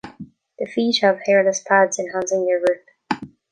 The feet have hairless pads, enhancing their grip.